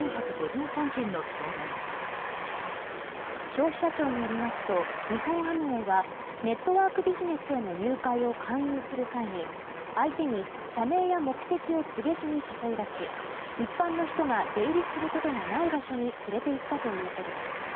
消費者庁によりますと日本アムウェイはネットワークビジネスへの入会を勧誘する際に相手に社名や目的を告げずに誘い出し一般の人が出入りすることがない場所に連れて行ったということです。